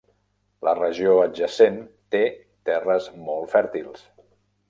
La regió adjacent té terres molt fèrtils.